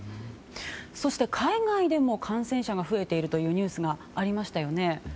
そして、海外でも感染者が増えているというニュースがありましたよね。